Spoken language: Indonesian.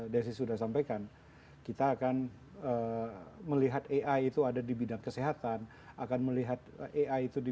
desi sudah sampaikan kita akan melihat ai itu ada di bidang kesehatan akan melihat ai itu di